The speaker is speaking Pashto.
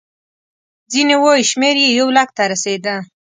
ځینې وایي شمېر یې یو لک ته رسېده.